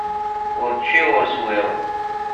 Ur ččiɣ ur swiɣ.